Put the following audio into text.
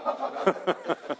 ハハハハ。